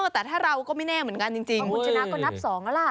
แต่ถ้าเราก็ไม่แน่เหมือนกันจริงของคุณชนะก็นับ๒แล้วล่ะ